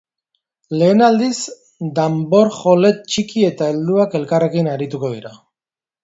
Lehen aldiz danborjole txiki eta helduak elkarrekin arituko dira.